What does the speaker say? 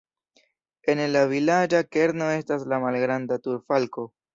Ene de la vilaĝa kerno estas la malgranda turfalko.